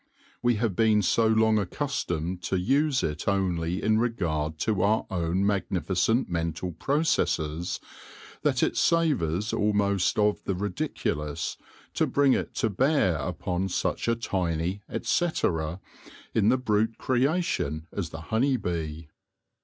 We have been so long accustomed to use it only in regard to our own magnificent mental processes that it savours almost oi the ridiculous to bring it to bear upon such a tiny et cetera in the brute creation as the honey bee.